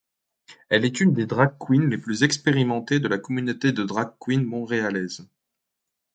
Elle est une des dragqueens les plus expérimentées de la communauté de dragqueens montréalaises.